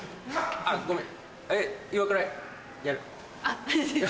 あ！ごめん。